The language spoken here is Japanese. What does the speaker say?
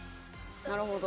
なるほど。